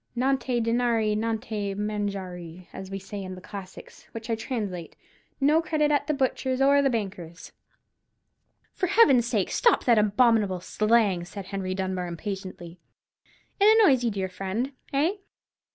'Nante dinari, nante manjare,' as we say in the Classics, which I translate, 'No credit at the butcher's or the baker's.'" "For Heaven's sake, stop that abominable slang!" said Henry Dunbar, impatiently. "It annoys you, dear friend, eh?